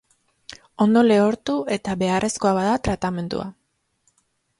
Ondo lehortu, eta, beharrezkoa bada, tratamentua.